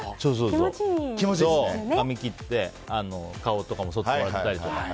髪切って顔とかもそってもらったりとか。